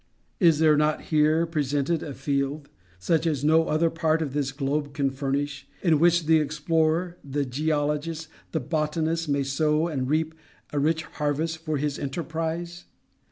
Is there not here presented a field, such as no other part of this globe can furnish, in which the explorer, the geologist, the botanist may sow and reap a rich harvest for his enterprise?